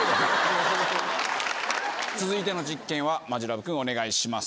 続いての実験はマヂラブ君お願いします。